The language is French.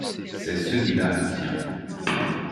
c'est celui-là le tien.